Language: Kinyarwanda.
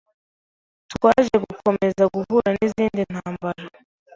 Twaje gukomeza guhura n’izindi ntambara